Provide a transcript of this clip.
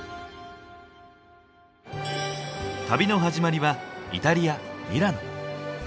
旅の始まりはイタリア・ミラノ。